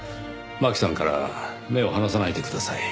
マキさんから目を離さないでください。